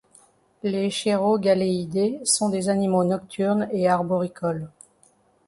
Les cheirogaleidés sont des animaux nocturnes et arboricoles.